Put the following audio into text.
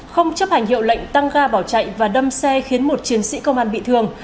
không chấp hành hiệu lệnh tăng ga bỏ chạy và đâm xe khiến một chiến sĩ công an bị thương